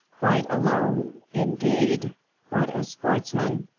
"Quite alone? indeed? What a sportsman!